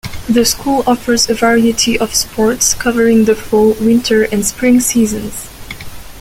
The school offers a variety of sports, covering the fall, winter, and spring seasons.